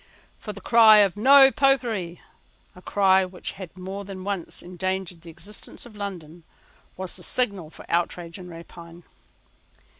For the cry of No Popery, a cry which has more than once endangered the existence of London, was the signal for outrage and rapine.